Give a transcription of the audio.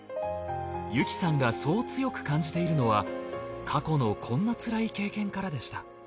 由紀さんがそう強く感じているのは過去のこんなつらい経験からでした。